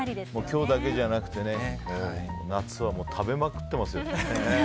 今日だけじゃなくて夏は食べまくってますよ